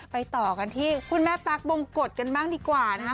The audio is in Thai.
ต่อกันที่คุณแม่ตั๊กบงกฎกันบ้างดีกว่านะคะ